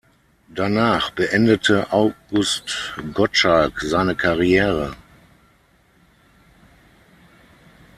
Danach beendete August Gottschalk seine Karriere.